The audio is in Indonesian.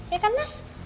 ya kan nas